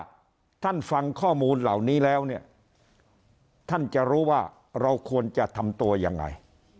ท่านฟังข้อมูลเหล่านี้แล้วเนี่ยท่านจะรู้ว่าเราควรจะทำตัวยังไง